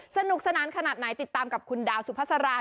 สนุกสนานขนาดไหนติดตามกับคุณดาวสุภาษารา